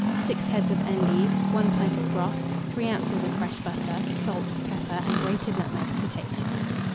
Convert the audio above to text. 6 heads of endive, 1 pint of broth, 3 oz. of fresh butter; salt, pepper, and grated nutmeg to taste.